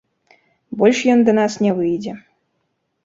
Больш ён да нас не выйдзе.